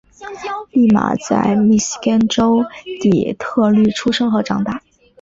俪玛在密西根州底特律出生和长大。